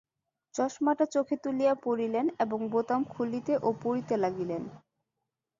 চশমাটা চোখে তুলিয়া পরিলেন এবং বোতাম খুলিতে ও পরিতে লাগিলেন।